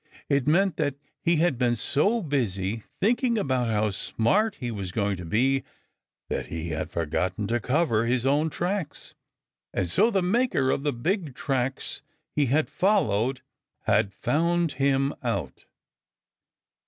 It meant that he had been so busy thinking about how smart he was going to be that he had forgotten to cover his own tracks, and so the maker of the big tracks he had followed had found him out.